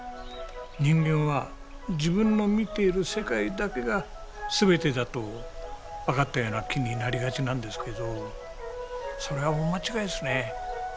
人間は自分の見ている世界だけが全てだと分かったような気になりがちなんですけどそれは大間違いですね。